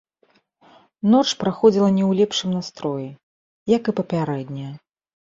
Ноч праходзіла не ў лепшым настроі, як і папярэдняя.